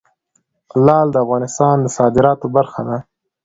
لعل د افغانستان د صادراتو برخه ده.